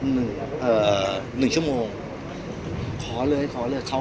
อยู่ให้เราได้ทำจ่ายทุกครั้ง